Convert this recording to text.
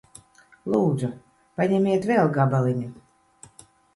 Lūdzu. Paņemiet vēl gabaliņu.